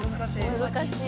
「難しい。